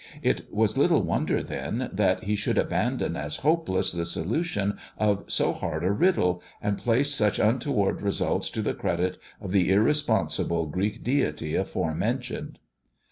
It was little wonder, then, that he should abandon as hopeless the 80 THE dwarf's chamber solution of so hard a riddle, and place such untoward results to the credit of the irresponsible Greek deity afore mentioned.